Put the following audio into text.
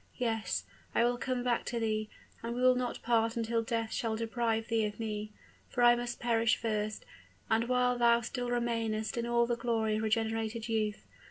Yes, I will come back to thee, and we will not part until death shall deprive thee of me for I must perish first, and while thou still remainest in all the glory of regenerated youth.